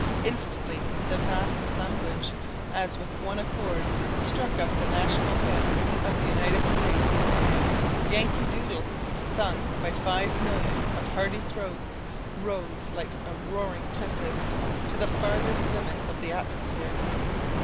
Instantly the vast assemblage, as with one accord, struck up the national hymn of the United States, and "Yankee Doodle," sung by five million of hearty throats, rose like a roaring tempest to the farthest limits of the atmosphere.